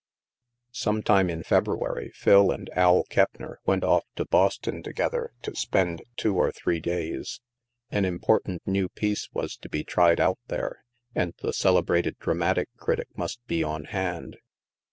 i82 THE MASK Some time in February, Phil and Al Keppner went off to Boston together, to spend two or three days. An important new piece was to be tried out there, and the celebrated dramatic critic must be on hand.